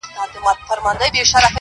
چي په لاره کي د دوی څنګ ته روان یم٫